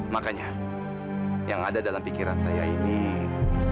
makanya yang ada dalam pikiran saya ini ya